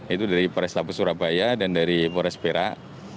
itu dari restabe surabaya dan dari forest perak